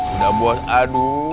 udah buat aduh